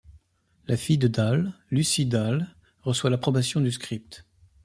La fille de Dahl, Lucy Dahl, reçoit l'approbation du script.